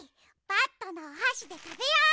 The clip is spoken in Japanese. バットのおはしでたべよう。